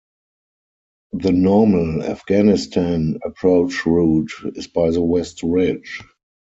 The normal Afghanistan approach route is by the west ridge.